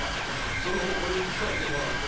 その方これに着替えてもらってな。